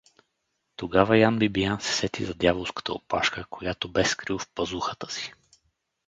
Тогава Ян Бибиян се сети за дяволската опашка, която бе скрил в пазухата си.